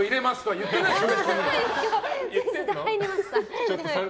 言ってないですよ。